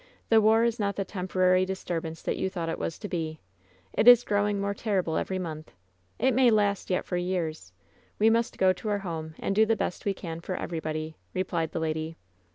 The war is not the temporary disturbance that you thought it was to be. It is growing more terrible every month. It may last yet for years. We must go to our home and do the best we can for everybody," replied the lady.